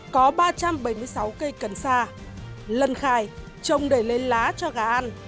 hai trăm bảy mươi sáu cây cần sa lân khai trồng để lên lá cho gà ăn